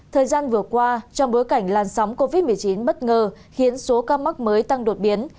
thời gian vừa qua trong bối cảnh làn sóng covid một mươi chín bất ngờ khiến số ca mắc mới tăng đột biến